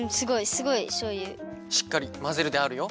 しっかりまぜるであるよ。